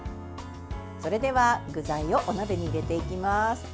それでは、具材をお鍋に入れていきます。